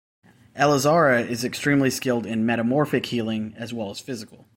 Elizara is extremely skilled in metamorphic healing as well as physical.